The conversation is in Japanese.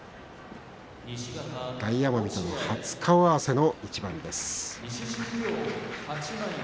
大奄美との初顔合わせの一番です。